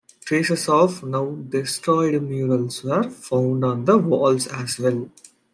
Traces of now destroyed murals were found on the walls as well.